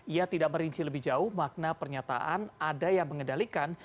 ia tidak merinci lebih jauh makna pernyataan ada yang mengendalikan